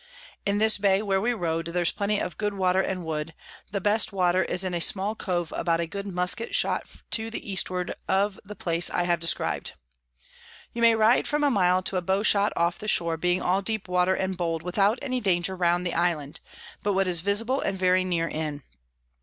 In this Bay, where we rode, there's plenty of good Water and Wood: the best Water is in a small Cove about a good Musket shot to the Eastward of the place I have describ'd. You may ride from a Mile to a Bow shot off the Shore, being all deep Water and bold, without any danger round the Island, but what is visible and very near in.